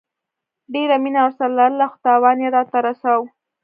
ډيره مينه ورسره لرله خو تاوان يي راته رسوو